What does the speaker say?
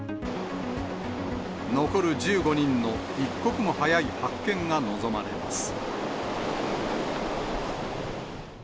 残る１５人の一刻も早い発見が望まれます。